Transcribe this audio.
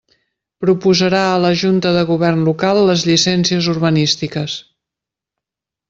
Proposarà a la Junta de Govern Local les llicències urbanístiques.